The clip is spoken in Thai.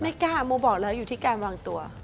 ไม่กล้าโมบอกแล้วอยู่ที่การวางตัว